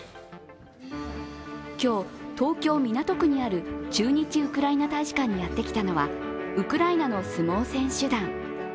今日、東京・港区にある駐日ウクライナ大使館にやってきたのはウクライナの相撲選手団。